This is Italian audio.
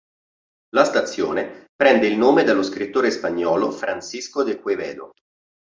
La stazione prende il nome dallo scrittore spagnolo Francisco de Quevedo.